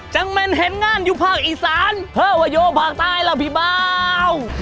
จังเมนเห็นงานอยู่ภาคอีสานเพื่อวะโยภาคใต้รับบีบ้าว